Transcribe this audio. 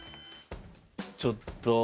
ちょっと。